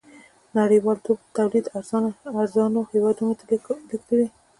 نړۍوالتوب تولید ارزانو هېوادونو ته لېږدوي.